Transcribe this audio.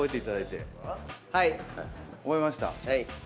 覚えました。